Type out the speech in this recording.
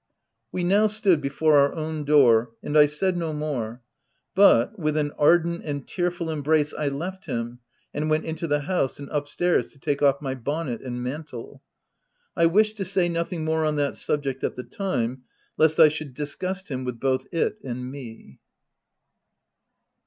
We now stood before our own door, and I said no more ; but, with an ardent and tearful embrace, I left him, and went into the house, and up stairs to take off my bonnet and mantle. I wished to say nothing more on that subject at the time, lest I should disgust him with both it and me.